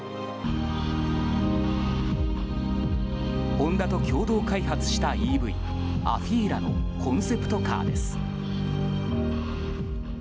ホンダと共同開発したＥＶＡＦＥＥＬＡのコンセプトカーです。